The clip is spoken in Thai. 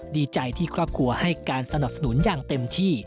ดีใจที่ครอบครัวให้การสนับสนุนอย่างเต็มที่